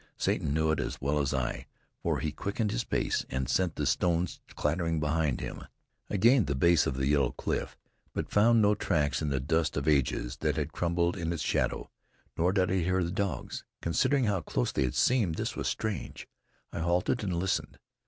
Satan knew it as well as I, for he quickened his pace and sent the stones clattering behind him. I gained the base of the yellow cliff, but found no tracks in the dust of ages that had crumbled in its shadow, nor did I hear the dogs. Considering how close they had seemed, this was strange. I halted and listened.